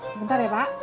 sebentar ya pak